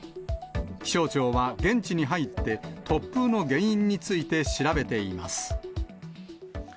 気象庁は現地に入って突風の原因について調べています。